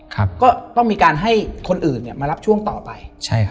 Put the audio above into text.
ก็ต้องมีการให้คนอื่นมารับช่วงต่อไปใช่ครับ